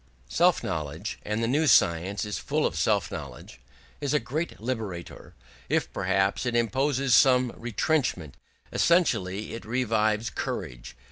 Self knowledge and the new science is full of self knowledge is a great liberator: if perhaps it imposes some retrenchment, essentially it revives courage.